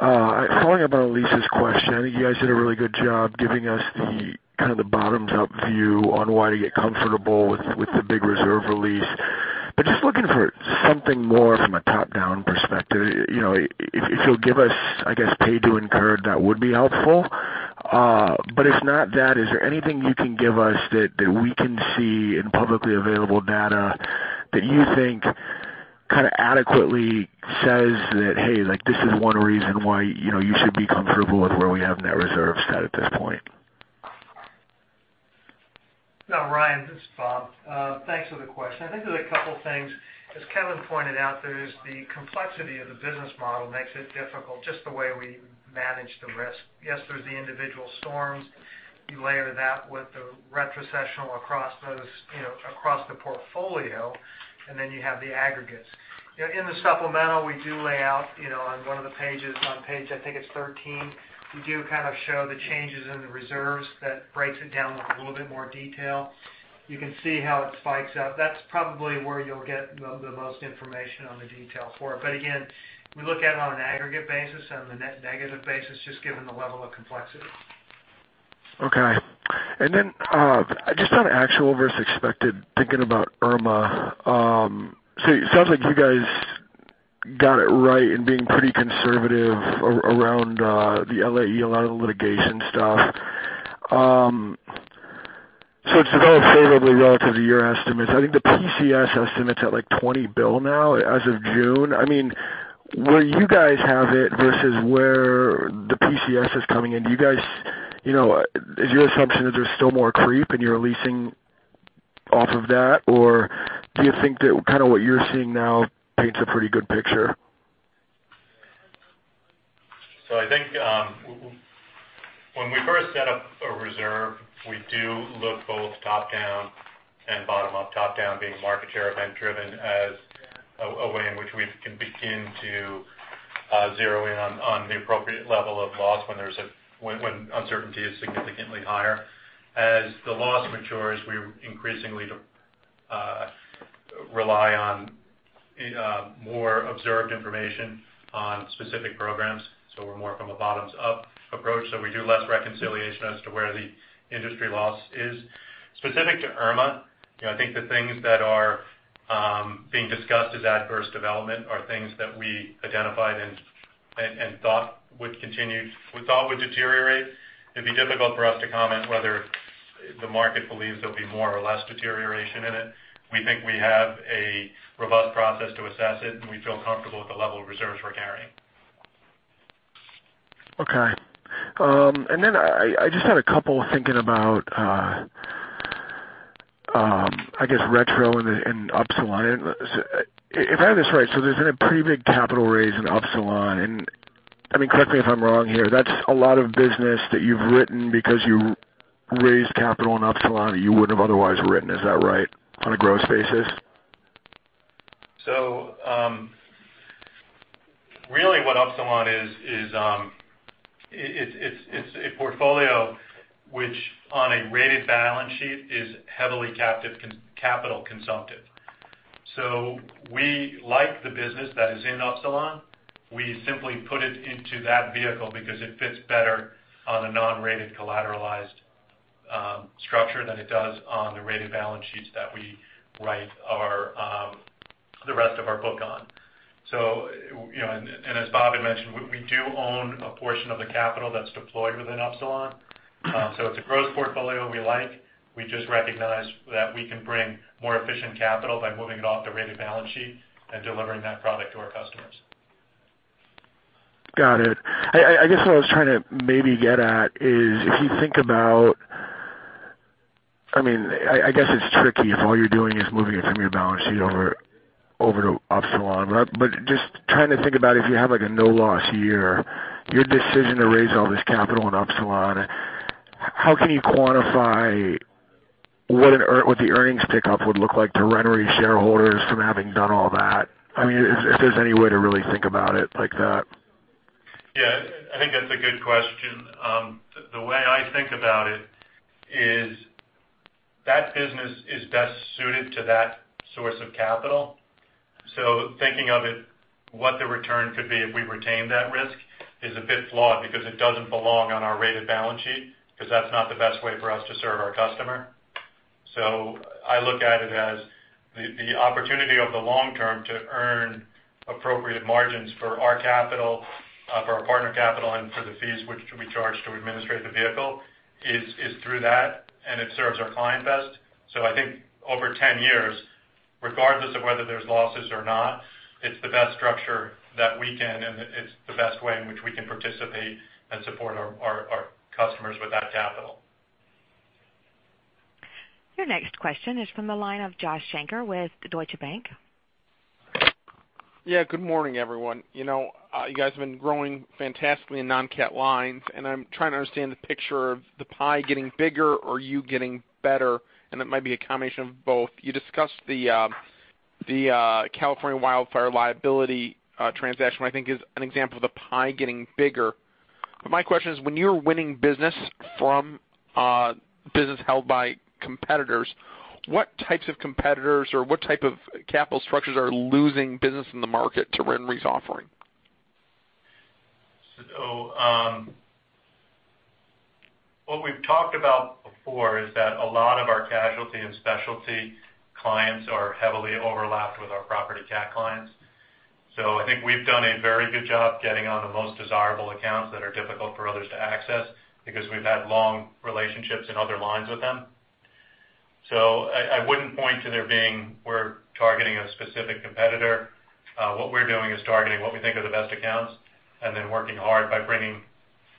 following up on Elyse's question, I think you guys did a really good job giving us the bottoms-up view on why to get comfortable with the big reserve release. Just looking for something more from a top-down perspective. If you'll give us, I guess, paid to incurred, that would be helpful. If not that, is there anything you can give us that we can see in publicly available data that you think adequately says that, hey, this is one reason why you should be comfortable with where we have net reserves set at this point? Ryan, this is Bob. Thanks for the question. I think there's a couple things. As Kevin pointed out, there's the complexity of the business model makes it difficult just the way we manage the risk. Yes, there's the individual storms. You layer that with the retrocessional across the portfolio, then you have the aggregates. In the supplemental, we do lay out on one of the pages, on page I think it's 13, we do kind of show the changes in the reserves that breaks it down with a little bit more detail. You can see how it spikes up. That's probably where you'll get the most information on the detail for it. Again, we look at it on an aggregate basis and the net negative basis, just given the level of complexity. Okay. Just on actual versus expected, thinking about Hurricane Irma. It sounds like you guys got it right in being pretty conservative around the LAE, a lot of the litigation stuff. It's developed favorably relative to your estimates. I think the PCS estimate's at like $20 billion now as of June. Where you guys have it versus where the PCS is coming in, is your assumption that there's still more creep and you're easing off of that? Or do you think that what you're seeing now paints a pretty good picture? I think when we first set up a reserve, we do look both top-down and bottom-up, top-down being market share, event driven as a way in which we can begin to zero in on the appropriate level of loss when uncertainty is significantly higher. As the loss matures, we increasingly rely on more observed information on specific programs. We're more from a bottoms-up approach, so we do less reconciliation as to where the industry loss is. Specific to Hurricane Irma, I think the things that are being discussed as adverse development are things that we identified and thought would deteriorate. It'd be difficult for us to comment whether the market believes there'll be more or less deterioration in it. We think we have a robust process to assess it, and we feel comfortable with the level of reserves we're carrying. Okay. I just had a couple thinking about, I guess retro and Upsilon. If I have this right, there's been a pretty big capital raise in Upsilon, and correct me if I'm wrong here, that's a lot of business that you've written because you raised capital in Upsilon that you wouldn't have otherwise written. Is that right? On a gross basis? Really what Upsilon is, it's a portfolio which on a rated balance sheet is heavily capital consumptive. We like the business that is in Upsilon. We simply put it into that vehicle because it fits better on a non-rated collateralized structure than it does on the rated balance sheets that we write the rest of our book on. As Bob had mentioned, we do own a portion of the capital that's deployed within Upsilon. It's a gross portfolio we like. We just recognize that we can bring more efficient capital by moving it off the rated balance sheet and delivering that product to our customers. Got it. I guess what I was trying to maybe get at is if you think about, I guess it's tricky if all you're doing is moving it from your balance sheet over to Upsilon. Just trying to think about if you have a no loss year, your decision to raise all this capital in Upsilon, how can you quantify what the earnings tick-up would look like to RenRe shareholders from having done all that? If there's any way to really think about it like that. Yeah, I think that's a good question. The way I think about it is that business is best suited to that source of capital. Thinking of it, what the return could be if we retained that risk is a bit flawed because it doesn't belong on our rated balance sheet, because that's not the best way for us to serve our customer. I look at it as the opportunity over the long term to earn appropriate margins for our capital, for our partner capital, and for the fees which we charge to administrate the vehicle is through that, and it serves our client best. I think over 10 years, regardless of whether there's losses or not, it's the best structure that we can, and it's the best way in which we can participate and support our customers with that capital. Your next question is from the line of Joshua Shanker with Deutsche Bank. Yeah. Good morning, everyone. You guys have been growing fantastically in non-cat lines, I'm trying to understand the picture of the pie getting bigger or you getting better, and it might be a combination of both. You discussed the California wildfire liability transaction, I think is an example of the pie getting bigger. My question is, when you're winning business from business held by competitors, what types of competitors or what type of capital structures are losing business in the market to RenRe's offering? What we've talked about before is that a lot of our casualty and specialty clients are heavily overlapped with our property cat clients. I think we've done a very good job getting on the most desirable accounts that are difficult for others to access because we've had long relationships in other lines with them. I wouldn't point to there being we're targeting a specific competitor. What we're doing is targeting what we think are the best accounts and then working hard by bringing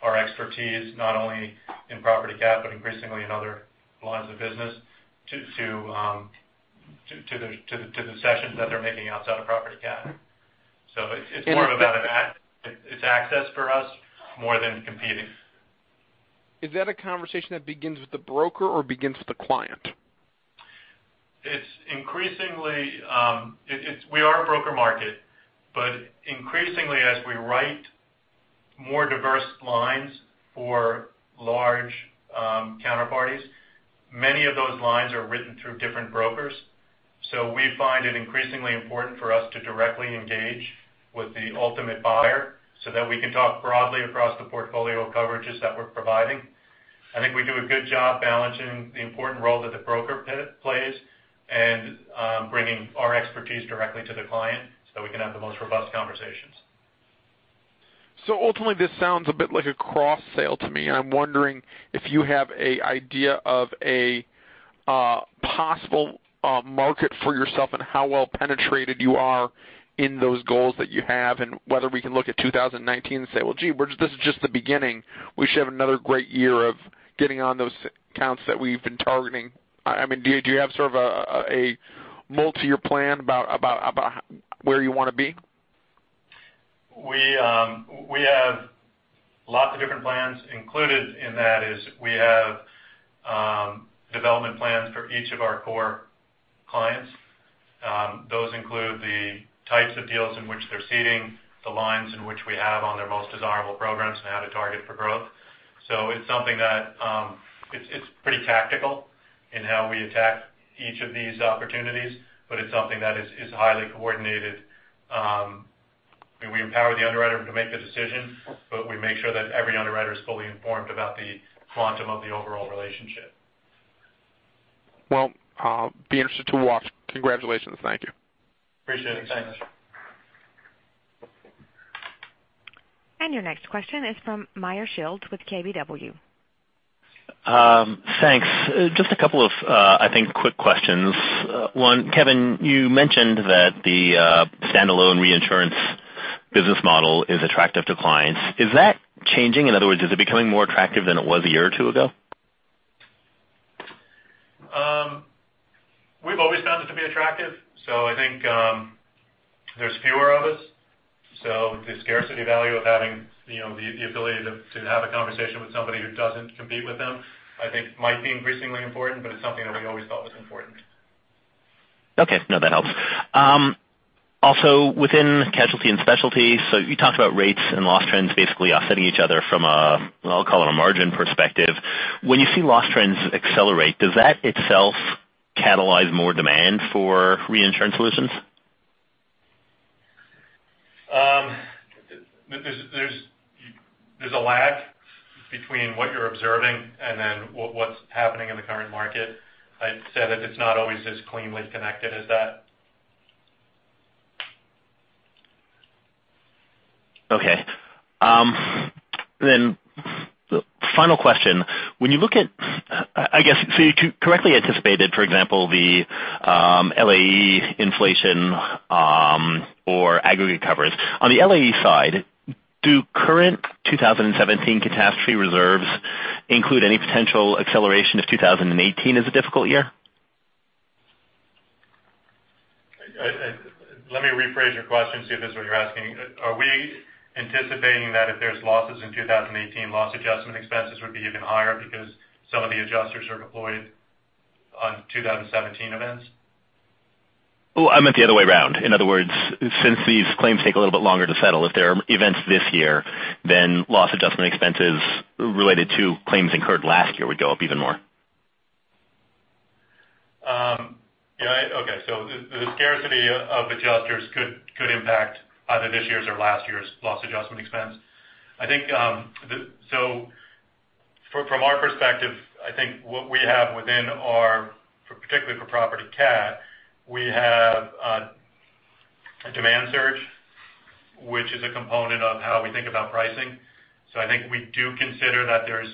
our expertise not only in property cat, but increasingly in other lines of business to the concessions that they're making outside of property cat. It's more about it's access for us more than competing. Is that a conversation that begins with the broker or begins with the client? We are a broker market, increasingly, as we write more diverse lines for large counterparties, many of those lines are written through different brokers. We find it increasingly important for us to directly engage with the ultimate buyer so that we can talk broadly across the portfolio of coverages that we're providing. I think we do a good job balancing the important role that the broker plays and bringing our expertise directly to the client so we can have the most robust conversations. Ultimately, this sounds a bit like a cross-sale to me. I'm wondering if you have an idea of a possible market for yourself and how well penetrated you are in those goals that you have, and whether we can look at 2019 and say, well, gee, this is just the beginning. We should have another great year of getting on those accounts that we've been targeting. Do you have sort of a multi-year plan about where you want to be? We have lots of different plans. Included in that is we have development plans for each of our core clients. Those include the types of deals in which they're ceding, the lines in which we have on their most desirable programs, and how to target for growth. It's something that it's pretty tactical in how we attack each of these opportunities, but it's something that is highly coordinated. We empower the underwriter to make the decision, but we make sure that every underwriter is fully informed about the quantum of the overall relationship. I'll be interested to watch. Congratulations. Thank you. Appreciate it. Thanks. Your next question is from Meyer Shields with KBW. Thanks. Just a couple of, I think, quick questions. One, Kevin, you mentioned that the standalone reinsurance business model is attractive to clients. Is that changing? In other words, is it becoming more attractive than it was a year or two ago? We've always found it to be attractive. I think there's fewer of us. The scarcity value of having the ability to have a conversation with somebody who doesn't compete with them, I think might be increasingly important, it's something that we always thought was important. Okay. That helps. Also within casualty and specialty, you talked about rates and loss trends basically offsetting each other from a, I'll call it a margin perspective. When you see loss trends accelerate, does that itself catalyze more demand for reinsurance solutions? There's a lag between what you're observing and then what's happening in the current market. I'd say that it's not always as cleanly connected as that. Okay. Final question, when you look at, I guess you correctly anticipated, for example, the LAE inflation, or aggregate covers. On the LAE side, do current 2017 catastrophe reserves include any potential acceleration if 2018 is a difficult year? Let me rephrase your question, see if this is what you're asking. Are we anticipating that if there's losses in 2018, loss adjustment expenses would be even higher because some of the adjusters are deployed on 2017 events? Well, I meant the other way around. In other words, since these claims take a little bit longer to settle, if there are events this year, loss adjustment expenses related to claims incurred last year would go up even more. Okay. The scarcity of adjusters could impact either this year's or last year's loss adjustment expense. From our perspective, I think what we have within our, particularly for property cat, we have a demand surge, which is a component of how we think about pricing. I think we do consider that there's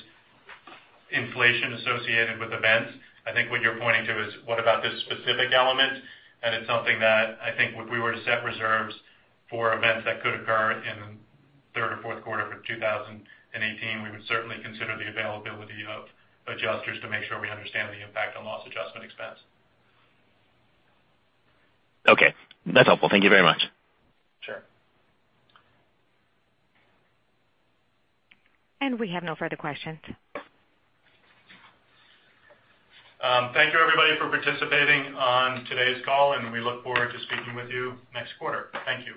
inflation associated with events. I think what you're pointing to is what about this specific element, it's something that I think if we were to set reserves for events that could occur in third or fourth quarter for 2018, we would certainly consider the availability of adjusters to make sure we understand the impact on loss adjustment expense. Okay. That's helpful. Thank you very much. Sure. We have no further questions. Thank you, everybody, for participating on today's call, and we look forward to speaking with you next quarter. Thank you.